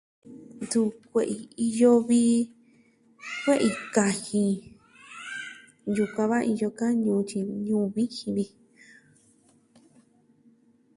Suu kue'i iyo vi kue'i kajin. Yukuan va iyo ka ñuu tyi ñuu vijin vi.